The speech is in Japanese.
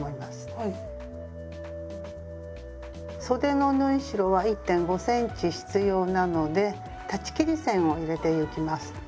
そでの縫い代は１．５ｃｍ必要なので裁ち切り線を入れてゆきます。